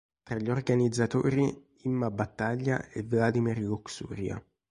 Tra gli organizzatori Imma Battaglia e Vladimir Luxuria.